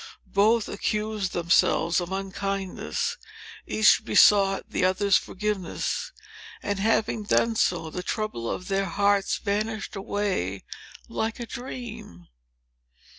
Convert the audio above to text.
Both accused themselves of unkindness; each besought the other's forgiveness; and having, done so, the trouble of their hearts vanished away like a dream.